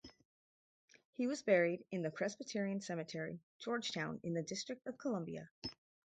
He was buried in the Presbyterian Cemetery, Georgetown, in the District of Columbia.